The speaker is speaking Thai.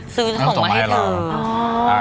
ซื้อของมาให้เธอ